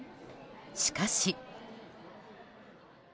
しかし。